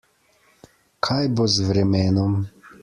Kaj bo z vremenom?